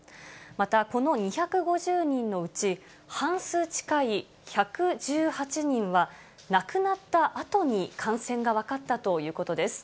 また、この２５０人のうち、半数近い１１８人は、亡くなったあとに感染が分かったということです。